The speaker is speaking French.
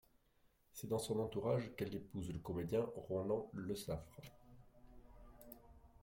C'est dans son entourage qu'elle épouse le comédien Roland Lesaffre.